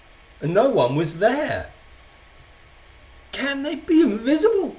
And no one was there! "Can they be invisible?"